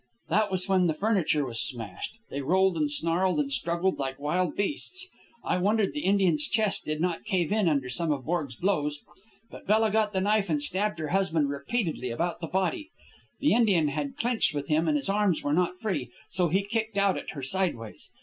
That was when the furniture was smashed. They rolled and snarled and struggled like wild beasts. I wondered the Indian's chest did not cave in under some of Borg's blows. But Bella got the knife and stabbed her husband repeatedly about the body. The Indian had clinched with him, and his arms were not free; so he kicked out at her sideways.